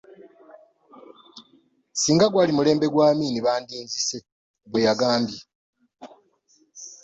Ssinga gwali mulembe gwa Amin bandinzise, bwe yagambye.